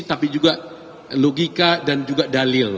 tapi juga logika dan juga dalil